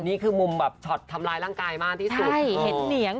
นี่คือมุมแบบช็อตทำร้ายร่างกายมากที่สุดใช่เห็นเหนียง